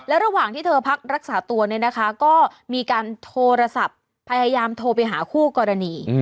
ระหว่างที่เธอพักรักษาตัวเนี่ยนะคะก็มีการโทรศัพท์พยายามโทรไปหาคู่กรณี